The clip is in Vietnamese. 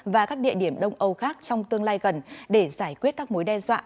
và các địa điểm đông âu khác trong tương lai gần để giải quyết các mối đe dọa